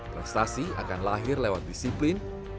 prestasi akan lahir lewat disiplin dan kemampuan